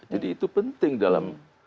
jadi itu penting dalam